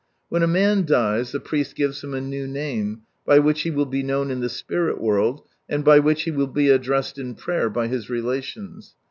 When a man dies, the priest gives him a new name, by which he will be known in the spirit world, and by which he will be addressed in prayer, by his relations.